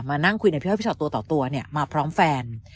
มานั่งคุยในพี่อ้อยพิชาติตัวต่อตัวมาพร้อมแฟน